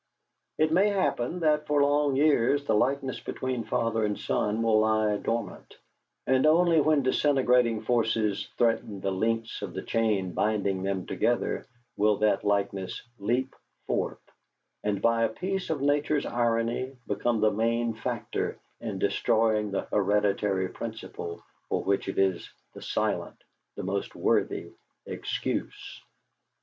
It may happen that for long years the likeness between father and son will lie dormant, and only when disintegrating forces threaten the links of the chain binding them together will that likeness leap forth, and by a piece of Nature's irony become the main factor in destroying the hereditary principle for which it is the silent, the most worthy, excuse.